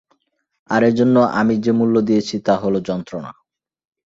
আর এরজন্য আমি যে মূল্য দিয়েছি, তা হল যন্ত্রণা!